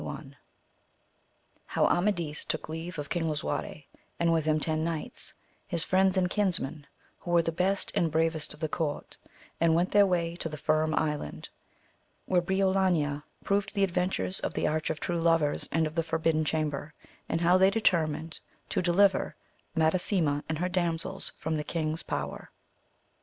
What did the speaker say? XXI. — How Amadis took leave of Xing Lisuarte and with him teo Xoights, his friends and kinsmen, who were the best and brayest of the Court, and went their way to the Firm Island, where Briolania proved the adventures of the Arch of True Lovers and of the Forbidden Chamber, and how they determined to deliver Madasima and her Damsels from the King's power.